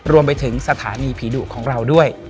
รวมไปถึงสถานีผีดุของเราด้วย